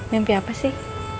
mimpi apa sih